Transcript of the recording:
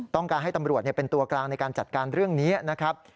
ต้องการให้ตำรวจเป็นตัวกลางในการจัดการเรื่องนี้นะครับ